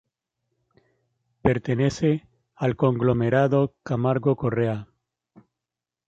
Pertenece al conglomerado Camargo Corrêa.